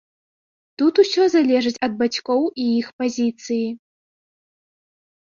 Тут усё залежыць ад бацькоў і іх пазіцыі.